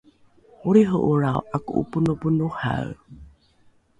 olriho’olrao ’ako’oponoponohae